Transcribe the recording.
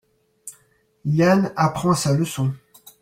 Yann apprend sa leçon.